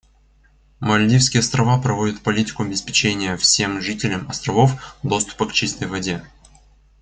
Мальдивские Острова проводят политику обеспечения всем жителям островов доступа к чистой воде.